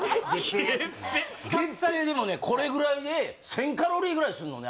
月餅でもねこれぐらいで１０００カロリーぐらいすんのね